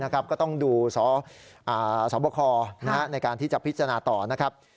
ก็ต้องดูสบคในการที่จะพิจารณาต่อนะครับ